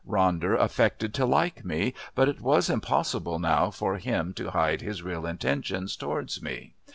Ronder affected to like me, but it was impossible now for him to hide his real intentions towards me.